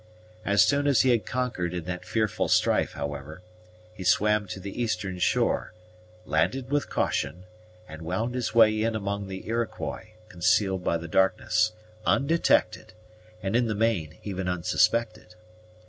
As soon as he had conquered in that fearful strife, however, he swam to the eastern shore, landed with caution, and wound his way in amongst the Iroquois, concealed by the darkness, undetected, and, in the main, even unsuspected.